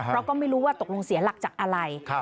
เพราะก็ไม่รู้ว่าตกลงเสียหลักจากอะไร